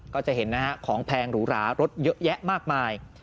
ก็จะเห็นนะฮะของแพงหรูหรารถเยอะแยะมากมาย